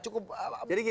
cukup bete gak dengan